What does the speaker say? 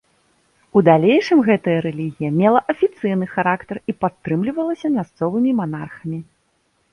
У далейшым гэтая рэлігія мела афіцыйны характар і падтрымлівалася мясцовымі манархамі.